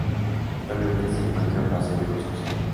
Actualmente se encuentra en fase de construcción.